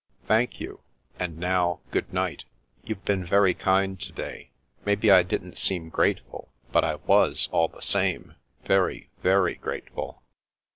"Thank you. And now, good night. You've been very kind to day. Maybe I didn't seem grate ful, but I was, all the same ; very, very grateful."